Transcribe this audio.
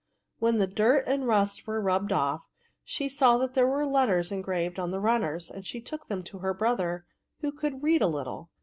When the dirt and rust were rubbed off, she saw that there were letters engraved on the runners, and she took them to her brother, who could read a little.